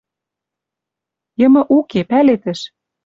Йымы уке, пӓлетӹш